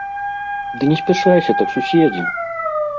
Ды не спяшайся так, суседзе!